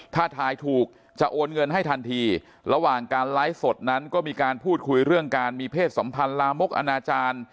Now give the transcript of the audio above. ถ้าทายถูกจะโอนเงินให้ทันทีระหว่างการไลฟ์สดนั้นก็มีการพูดคุยเรื่องการมีเพศสัมพันธ์ลามกอนาจารย์